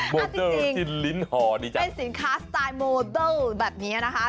โมเดลกินลิ้นห่อนี่จังเป็นสินค้าสไตล์โมเดิลแบบนี้นะคะ